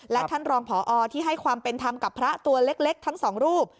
และท่านรองผอที่ให้ความเป็นธรรมกับพระตัวเล็กทั้งสองรูป